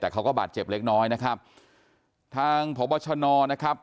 แต่เขาก็บาดเจ็บเล็กน้อยนะครับทางพบชนนะครับ